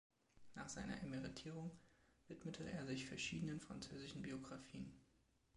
Nach seiner Emeritierung widmete er sich verschiedenen französischen Biografien.